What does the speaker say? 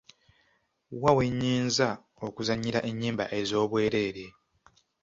Wa we nnyinza okuzannyira ennyimba ez'obwereere ?